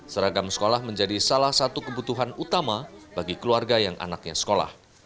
seragam sekolah menjadi salah satu kebutuhan utama bagi keluarga yang anaknya sekolah